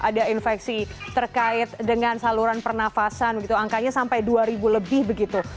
ada infeksi terkait dengan saluran pernafasan begitu angkanya sampai dua ribu lebih begitu